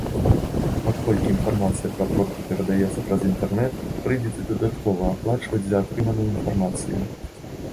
Паколькі інфармацыя пра пробкі перадаецца праз інтэрнэт, прыйдзецца дадаткова аплачваць за атрыманую інфармацыю.